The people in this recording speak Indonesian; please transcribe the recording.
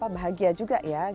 bahagia juga ya